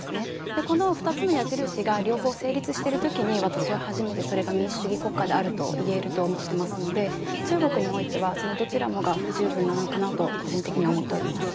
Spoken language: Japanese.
でこの２つの矢印が両方成立してる時に私は初めてそれが民主主義国家であると言えると思ってますので中国においてはそのどちらもが不十分なのかなと個人的には思っております。